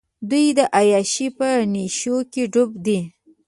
دوۍ د عیاشۍ په نېشوکې ډوب دي.